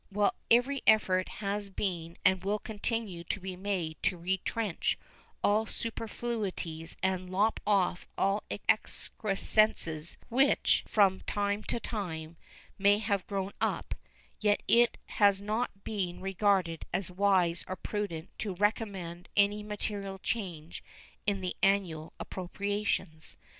While every effort has been and will continue to be made to retrench all superfluities and lop off all excrescences which from time to time may have grown up, yet it has not been regarded as wise or prudent to recommend any material change in the annual appropriations.